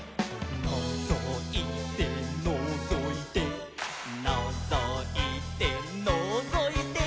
「のぞいてのぞいて」「のぞいてのぞいて」